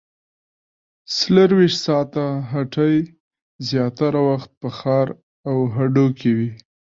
څلورویشت ساعته هټۍ زیاتره وخت په ښار او هډو کې وي